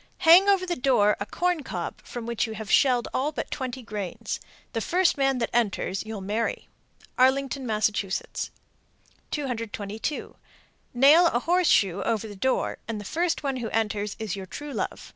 Hang over the door a corn cob from which you have shelled all but twenty grains. The first man that enters you'll marry. Arlington, Mass. 222. Nail a horseshoe over the door, and the first one who enters is your true love.